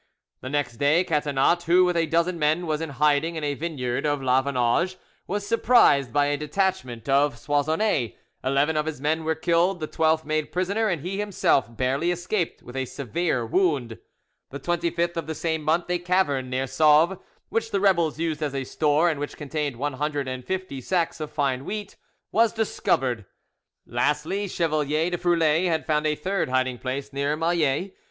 The next day, Catinat, who, with a dozen men, was in hiding in a vineyard of La Vaunage, was surprised by a detachment of Soissonnais; eleven of his men were killed, the twelfth made prisoner, and he himself barely escaped with a severe wound. The 25th of the same month, a cavern near Sauve, which the rebels used as a store, and which contained one hundred and fifty sacks of fine wheat, was discovered; lastly, Chevalier de Froulay had found a third hiding place near Mailet.